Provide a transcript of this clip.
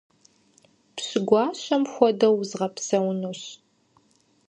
Пщы гуащэм хуэдэу узгъэпсэунущ.